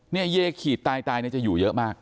เยขีดตายเนี่ยจะอยู่เยอะมาก